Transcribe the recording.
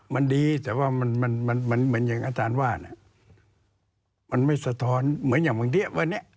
มันดีแต่ว่ามันมันเหมือนอย่างอาจารย์ว่าเนี่ยมันไม่สะท้อนเหมือนอย่างบางทีวันนี้